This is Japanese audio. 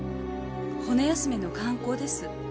骨休めの観光です。